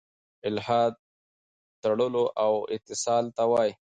الحاد تړلو او اتصال ته وايي.